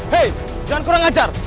hei jangan kurang ajar